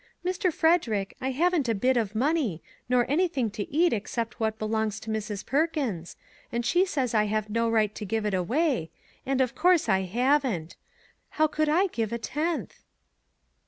" Mr. Frederick, I haven't a bit of money, nor anything to eat except what belongs to Mrs. Perkins, and she says I have no right to give it away, and, of course, I haven't; how could I give a tenth